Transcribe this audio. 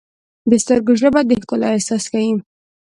د سترګو ژبه د ښکلا احساس ښیي.